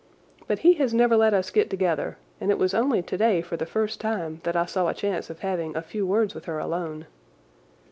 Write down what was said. But he has never let us get together and it was only today for the first time that I saw a chance of having a few words with her alone.